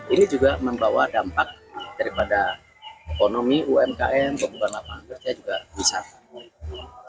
ini juga membawa dampak daripada ekonomi umkm pembukaan lapangan kerja juga wisata